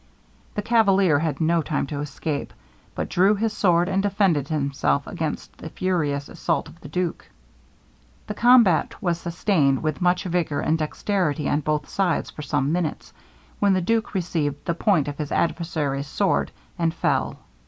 The cavalier had no time to escape, but drew his sword, and defended himself against the furious assault of the duke. The combat was sustained with much vigour and dexterity on both sides for some minutes, when the duke received the point of his adversary's sword, and fell.